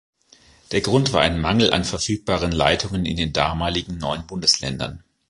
Der Grund war ein Mangel an verfügbaren Leitungen in den damaligen neuen Bundesländern.